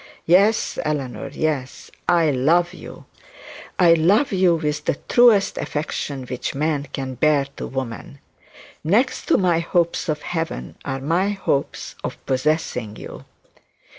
Yes, Eleanor, yes, I love you. I love you with the truest affection which man can bear to woman. Next to my hopes of heaven are my hopes of possessing you.'